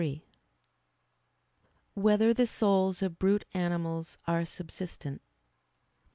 3] Whether the Souls of Brute Animals Are Subsistent?